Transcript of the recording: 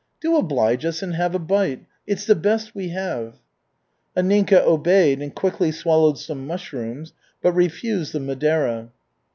"Do oblige us and have a bite it's the best we have." Anninka obeyed and quickly swallowed some mushrooms, but refused the Madeira.